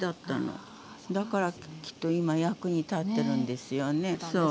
だからきっと今役に立ってるんですよね。